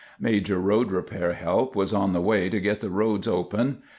Major road repair help was on the way to get the roads open.